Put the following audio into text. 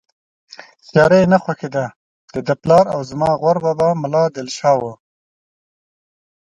تیاره یې نه خوښېده، دده پلار او زما غور بابا ملا دل شاه و.